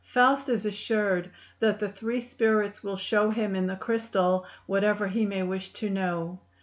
Faust is assured that the three spirits will show him in the crystal whatever he may wish to know.